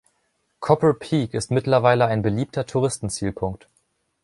Copper Peak ist mittlerweile ein beliebter Touristen-Zielpunkt.